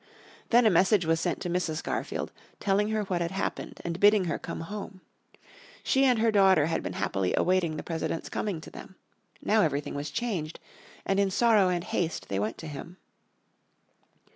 Then a message was sent to Mrs. Garfield, telling her what had happened, and bidding her come home. She and her daughter had been happily awaiting the President's coming to them. Now everything was changed, and in sorrow and haste they went to him.